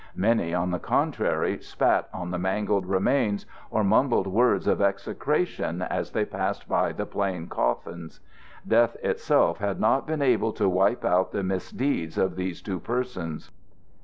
Many, on the contrary, spat on the mangled remains, or mumbled words of execration as they passed by the plain coffins. Death itself had not been able to wipe out the misdeeds of these two persons.